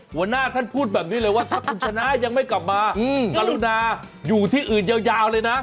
หัวหน้าท่านพูดแบบนี้เลยว่าถ้าคุณชนะยังไม่กลับมากรุณาอยู่ที่อื่นยาวเลยนะ